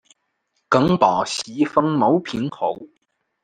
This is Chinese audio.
耿宝袭封牟平侯。